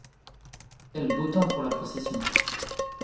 Quel beau temps pour la procession!